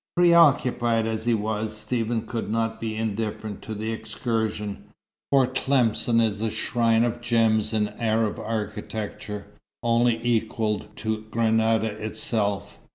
Preoccupied as he was, Stephen could not be indifferent to the excursion, for Tlemcen is the shrine of gems in Arab architecture, only equalled at Granada itself.